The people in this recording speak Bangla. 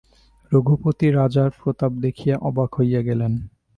রঘুপতি রাজার প্রতাপ দেখিয়া অবাক হইয়া গেলেন।